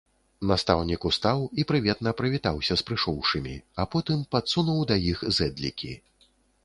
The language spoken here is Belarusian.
Настаўнік устаў і прыветна прывітаўся з прыйшоўшымі, а потым падсунуў да іх зэдлікі.